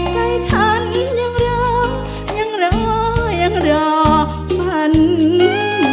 ใจฉันยังเหล่ายังเหล่ายังเหล่ามันไฟ